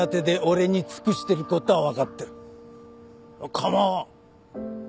構わん！